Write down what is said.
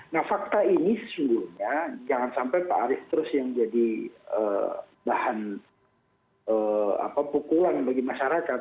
nah fakta ini sesungguhnya jangan sampai pak arief terus yang jadi bahan pukulan bagi masyarakat